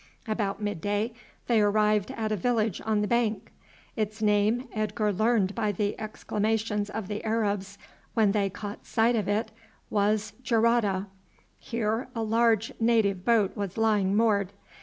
About mid day they arrived at a village on the bank. Its name, Edgar learned by the exclamations of the Arabs when they caught sight of it, was Gerada. Here a large native boat was lying moored.